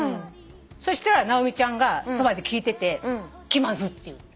そしたら直美ちゃんがそばで聞いてて「きまず」って言うの。